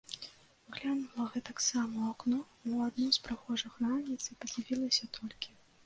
Глянула гэтаксама у акно ў адну з прыгожых раніц і падзівілася толькі.